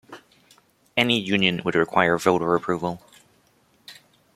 Any union would require voter approval.